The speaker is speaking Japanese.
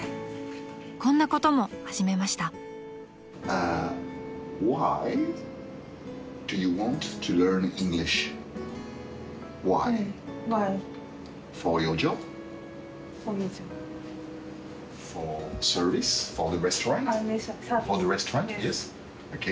こんなことも始めました］ＯＫ？